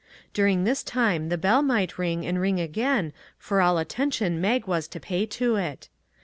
During this time the bell might ring and ring again for all attention Mag was to pay to it.